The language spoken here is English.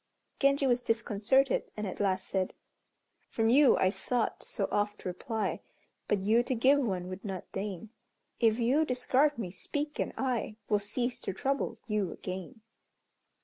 Genji was disconcerted, and at last said, "From you I sought so oft reply, But you to give one would not deign, If you discard me, speak, and I Will cease to trouble you again."